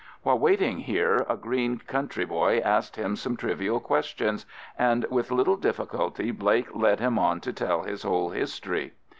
While waiting here a green country boy asked him some trivial question, and with little difficulty Blake led him on to tell his whole history.